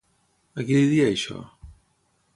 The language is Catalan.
A qui li deia això?